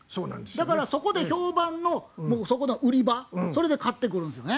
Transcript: だからそこで評判のそこの売り場それで買ってくるんですよね。